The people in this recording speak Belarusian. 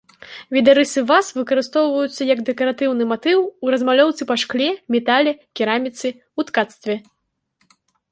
Відарысы ваз выкарыстоўваюцца як дэкаратыўны матыў у размалёўцы па шкле, метале, кераміцы, у ткацтве.